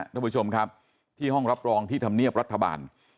ท่านผู้ชมครับที่ห้องรับรองที่ธรรมเนียบรัฐบาล